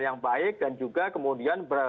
yang baik dan juga kemudian